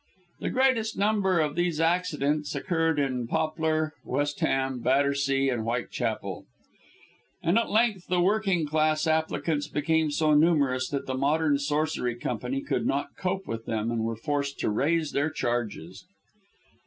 The greatest number of these accidents occurred in Poplar, West Ham, Battersea, and Whitechapel; and at length the working class applicants became so numerous that the Modern Sorcery Company could not cope with them, and were forced to raise their charges.